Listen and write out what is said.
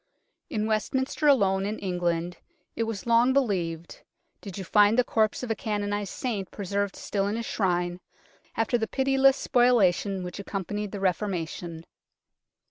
In Westminster alone in England, it was long believed, did you find the corpse of a canonized saint preserved still in his shrine, after the pitiless spoilation which accompanied the Reformation.